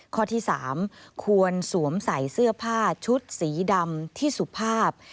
ข้อที่๓ควรสวมใส่เสื้อผ้าชุดสีดำที่สุภาพ